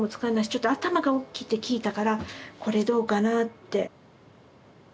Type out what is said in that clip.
ちょっと頭がおっきいって聞いたから「これどうかな？」って。